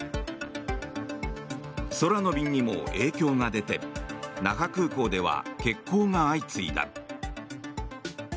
空の便にも影響が出て那覇空港では欠航が相次いだ。